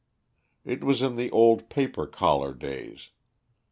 It was in the old paper collar days.